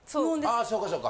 あそうかそうか。